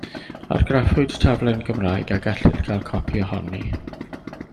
Argraffwyd taflen Gymraeg a gellir cael copi ohoni.